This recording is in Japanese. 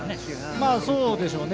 まあ、そうでしょうね。